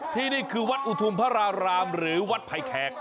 ที่นี่คือวัดอุทุมพระรารามหรือวัดไผ่แขก